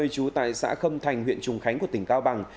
trú tại xã khâm thành huyện trùng khánh của tỉnh cao bằng